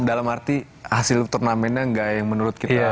dalam arti hasil turnamennya nggak yang menurut kita